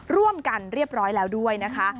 ร่วมกันเรียบร้อยแล้วด้วยนะคะ